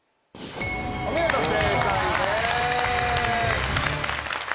お見事正解です。